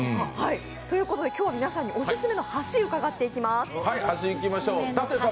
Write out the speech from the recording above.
今日は皆さんにオススメの橋を伺っていきます。